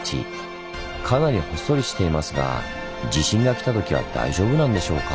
かなりほっそりしていますが地震が来たときは大丈夫なんでしょうか？